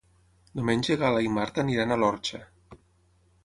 Diumenge na Gal·la i na Marta iran a l'Orxa.